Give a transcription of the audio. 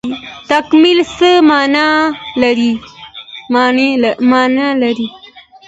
تکامل څه مانا لري؟